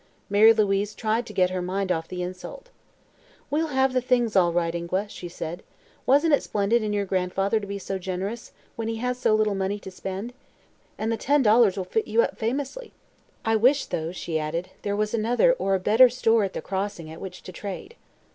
Mary Louise tried to get her mind off the insult. "We'll have the things, all right, Ingua," she said. "Wasn't it splendid in your grandfather to be so generous, when he has so little money to spend? And the ten dollars will fit you up famously. I wish, though," she added, "there was another or a better store at the Crossing at which to trade."